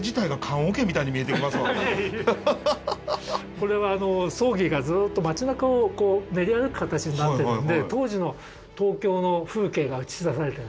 これは葬儀がずっと街なかを練り歩く形になってるんで当時の東京の風景が映し出されてるんですね。